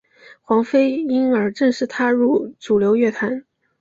黄妃因而正式踏入主流乐坛。